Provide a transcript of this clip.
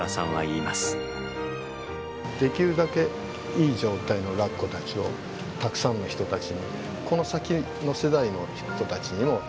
できるだけいい状態のラッコたちをたくさんの人たちにこの先の世代の人たちにも興味を持って頂きたい。